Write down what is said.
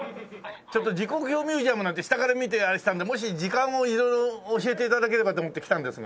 ちょっと時刻表ミュージアムなんて下から見てあれしたんでもし時間を色々教えて頂ければと思って来たんですが。